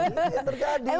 ini yang terjadi